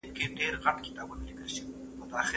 د ولسوالۍ په ښوونځیو کي نوي کتابونه وویشل سول.